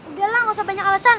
udahlah gak usah banyak alasan